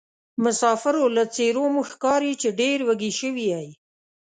مسافرو له څېرومو ښکاري چې ډېروږي سوي یې.